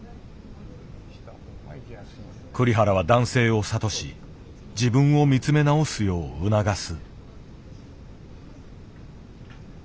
栗原は男性を諭し自分を見つめ直すよう促す。